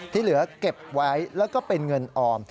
ที่เหลือเก็บไว้แล้วก็เป็นเงินออม